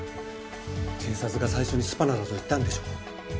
警察が最初にスパナだと言ったんでしょ？